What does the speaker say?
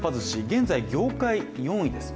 現在、業界４位です。